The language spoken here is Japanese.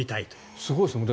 すごいですね。